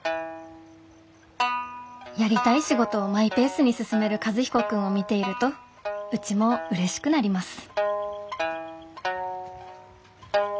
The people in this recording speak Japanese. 「やりたい仕事をマイペースに進める和彦君を見ているとうちもうれしくなります」。